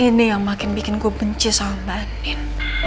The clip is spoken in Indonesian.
ini yang makin bikin gue benci sama mbak nin